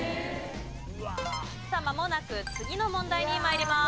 さあまもなく次の問題に参ります。